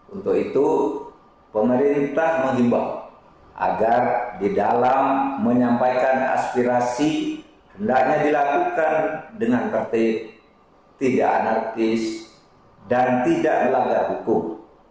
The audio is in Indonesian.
untuk itu pemerintah menghimbau agar di dalam menyampaikan aspirasi hendaknya dilakukan dengan tertib tidak anarkis dan tidak melanggar hukum